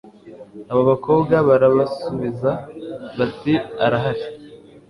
abo bakobwa barabasubiza bati arahari